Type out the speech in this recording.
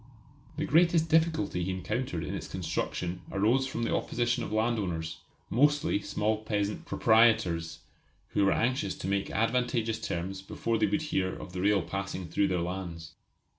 The greatest difficulty he encountered in its construction arose from the opposition of landowners, mostly small peasant proprietors, who were anxious to make advantageous terms before they would hear of the rail passing through their lands.